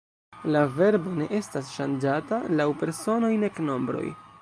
La verbo ne estas ŝanĝata laŭ personoj nek nombroj.